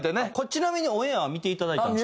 ちなみにオンエアは見ていただいたんですか？